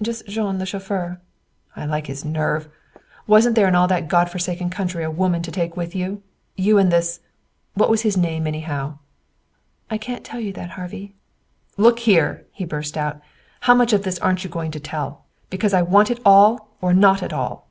"Just Jean, the chauffeur." "I like his nerve! Wasn't there in all that Godforsaken country a woman to take with you? You and this What was his name, anyhow?" "I can't tell you that, Harvey." "Look here!" he burst out. "How much of this aren't you going to tell? Because I want it all or not at all."